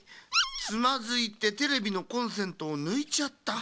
「つまずいてテレビのコンセントをぬいちゃった」。